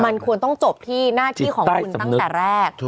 มันควรต้องจบที่หน้าที่ของคุณตั้งแต่แรก